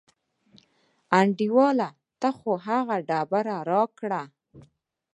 انډیواله ته خو هغه ډبره راکړه.